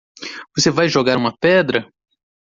Você vai jogar uma pedra?